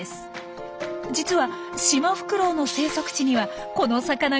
実はシマフクロウの生息地にはこの魚がたくさんいます。